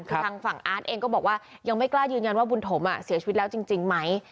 คือทางฝั่งอาร์ตเองก็บอกว่ายังไม่กล้ายืนยันว่าบุญถมเสียชีวิตแล้วจริงไหม